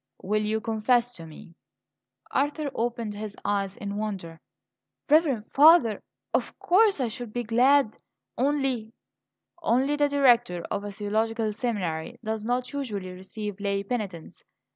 "Will you confess to me?" Arthur opened his eyes in wonder. "Reverend Father, of course I should be glad; only " "Only the Director of a theological seminary does not usually receive lay penitents?